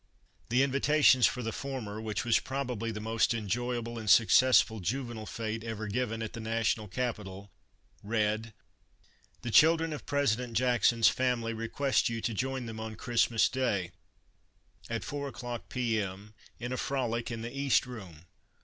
The invitations for the former, which was probably the most enjoyable and successful juvenile fete ever given at the National Capital, read: "The children of President Jackson's family request you to join them on Christmas Day, at four o'clock P. M., in a frolic in the East Room.